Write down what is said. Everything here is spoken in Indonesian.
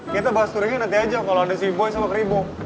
kita bahas tournya nanti aja kalau ada si boy sama keribu